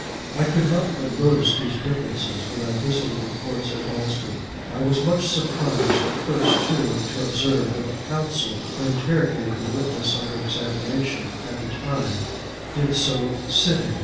I could not but notice these differences, when I visited the courts at Boston. I was much surprised at first, too, to observe that the counsel who interrogated the witness under examination at the time, did so sitting.